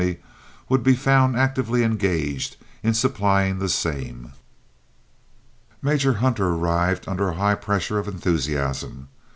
would be found actively engaged in supplying the same. Major Hunter arrived under a high pressure of enthusiasm.